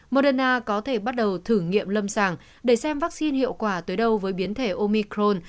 moderna có thể bắt đầu thử nghiệm lâm sàng để xem vaccine hiệu quả tới đâu với biến thể omicron